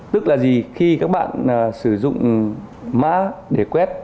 tức là gì khi các bạn sử dụng mã để quét